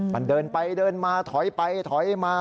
มันเดินไปเดินมาถอยไปถอยมา